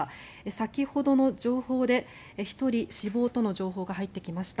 先ほどの情報で１人死亡との情報が入ってきました。